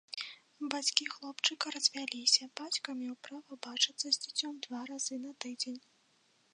Бацькі хлопчыка развяліся, бацька меў права бачыцца з дзіцем два разы на тыдзень.